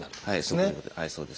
そうです。